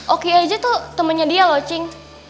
oke aja tuh temennya dia loh cing